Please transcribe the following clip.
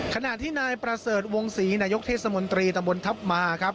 ขณะที่นายประเสริฐวงศรีนายกเทศมนตรีตำบลทัพมาครับ